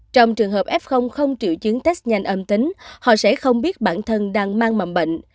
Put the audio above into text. trong trường hợp f không triệu chứng test nhanh âm tính họ sẽ không biết bản thân đang mang mầm bệnh